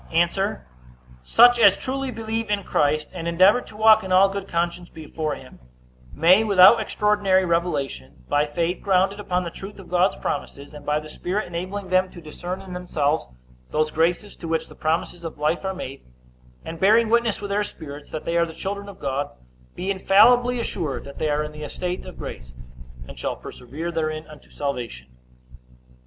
A. Such as truly believe in Christ, and endeavor to walk in all good conscience before him, may, without extraordinary revelation, by faith grounded upon the truth of God's promises, and by the Spirit enabling them to discern in themselves those graces to which the promises of life are made, and bearing witness with their spirits that they are the children of God, be infallibly assured that they are in the estate of grace, and shall persevere therein unto salvation.